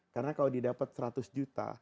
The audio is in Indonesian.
karena kalau dia dapat seratus juta